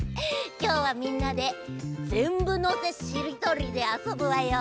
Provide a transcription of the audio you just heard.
きょうはみんなで「ぜんぶのせしりとり」であそぶわよ。